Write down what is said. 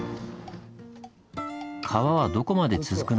川はどこまで続くのか？